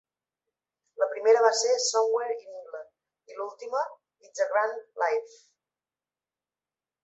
La primera va ser "Somewhere in England" i l'última, "It's a Grand Life".